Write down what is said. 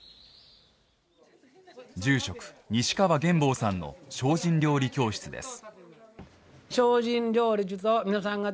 住職、西川玄房さんの精進料理教室です。